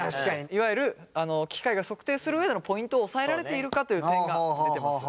いわゆる機械が測定する上でのポイントを押さえられているかという点が出てます。